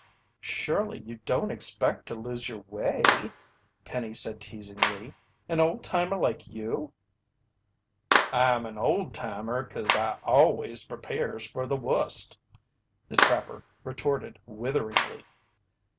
"Surely you don't expect to lose your way," Penny said teasingly. "An old timer like you!" "I'm an old timer 'cause I always prepares fer the wust," the trapper retorted witheringly.